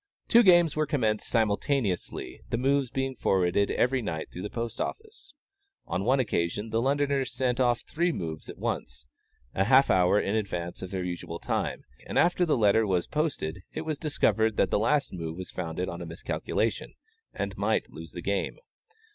Two games were commenced simultaneously, the moves being forwarded every night through the post office. On one occasion the Londoners sent off three moves at once, half an hour in advance of their usual time; and after the letter was posted, it was discovered that the last move was founded on a miscalculation, and might lose the game.